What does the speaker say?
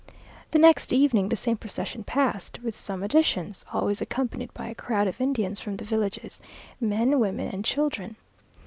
The next evening the same procession passed, with some additions, always accompanied by a crowd of Indians from the villages, men, women, and children.